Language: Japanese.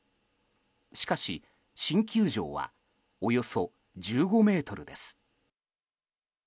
しかし新球場は、およそ１５ｍです。